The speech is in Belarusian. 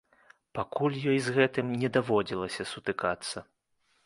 Пакуль ёй з гэтым не даводзілася сутыкацца.